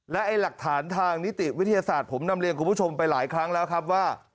และหลักฐานทางนิติวิทยาศาสตร์ผมนำเรียนคุณผู้ชมไปหลายครั้งแล้วครับว่า